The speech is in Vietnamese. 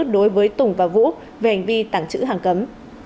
đối với tùng và vũ về hành vi tảng chữ hàng cấm